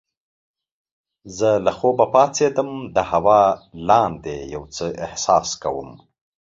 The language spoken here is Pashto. زه له خوبه پاڅیدم د هوا لاندې یو څه احساس کوم.